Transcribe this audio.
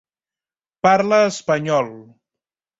Parla espanyol.